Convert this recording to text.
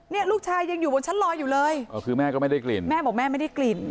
เนี่ยลูกชายยังอยู่บนชั้นลอยอยู่เลยอ๋อคือแม่ก็ไม่ได้กลิ่นแม่บอกแม่ไม่ได้กลิ่น